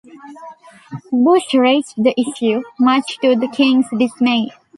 Bush raised the issue, much to the King's dismay.